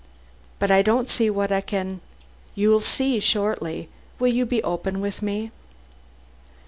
"But I don't see what I can " "You'll see shortly. Will you be open with me?"